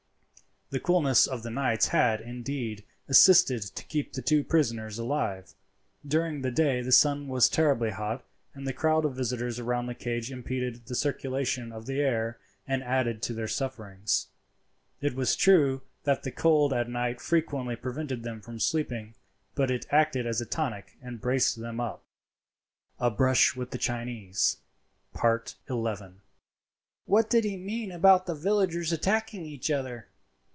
The coolness of the nights had, indeed, assisted to keep the two prisoners alive. During the day the sun was terribly hot, and the crowd of visitors round the cage impeded the circulation of the air and added to their sufferings. It was true that the cold at night frequently prevented them from sleeping, but it acted as a tonic and braced them up. A BRUSH WITH THE CHINESE.—XI. "What did he mean about the villages attacking each other?"